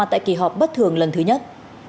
tại kỳ họp bất thường lần thứ nhất